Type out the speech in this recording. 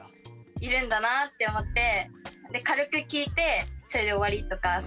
いるんだなって思って軽く聞いてそれで終わりとか。